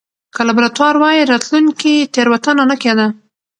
که لابراتوار واي، راتلونکې تېروتنه نه کېده.